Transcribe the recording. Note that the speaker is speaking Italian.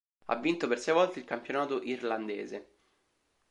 Ha vinto per sei volte il campionato irlandese.